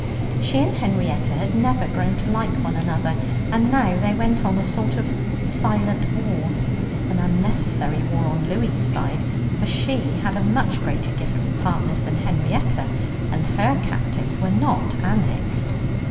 She and Henrietta had never grown to like one another, and now there went on a sort of silent war, an unnecessary war on Louie's side, for she had a much greater gift with partners than Henrietta, and her captives were not annexed.